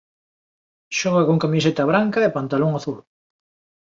Xoga con camiseta branca e pantalón azul.